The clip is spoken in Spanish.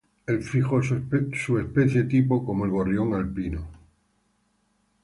El fijó su especie tipo como el gorrión alpino.